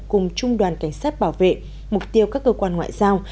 cùng trung đoàn cảnh sát bảo vệ mục tiêu các cơ quan ngoại giao